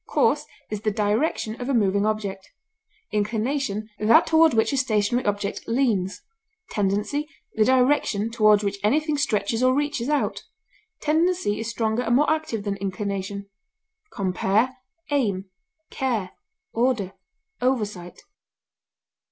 Course is the direction of a moving object; inclination, that toward which a stationary object leans; tendency, the direction toward which anything stretches or reaches out; tendency is stronger and more active than inclination. Compare AIM; CARE; ORDER; OVERSIGHT.